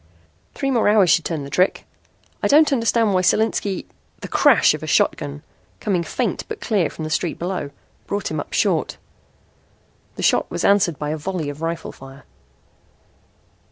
"Three more hours should turn the trick. I don't understand why Solinski " The crash of a shotgun, coming faint but clear from the street below, brought him up short. The shot was answered by a volley of rifle fire.